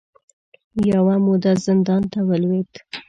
یوه موده زندان ته ولوېد